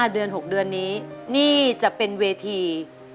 เดือน๖เดือนนี้นี่จะเป็นเวที